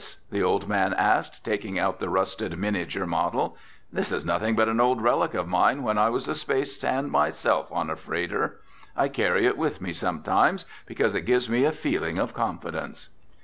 the old man asked, taking out the rusted miniature model. "This is nothing but an old relic of mine when I was a space hand myself on a freighter. I carry it with me sometimes, because it gives me a feeling of confidence."